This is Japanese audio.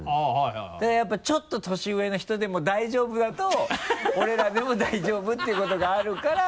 だからやっぱちょっと年上の人でも大丈夫だと俺らでも大丈夫っていうことがあるから。